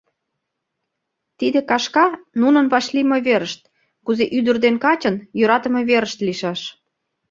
Тиде кашка — нунын вашлийме верышт, кузе ӱдыр ден качын йӧратыме верышт лийшаш.